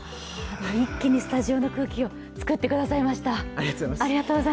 一気にスタジオの空気を作ってくださいました。